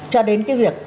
cho đến cái việc